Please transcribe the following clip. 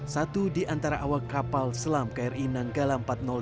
satu di antara awak kapal selam kri nanggala empat ratus dua